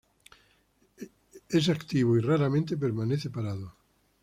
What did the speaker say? Es activo y raramente permanece parado.